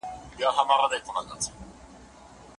ايا دغه توري به معنا لري، که به ئې نه لري؟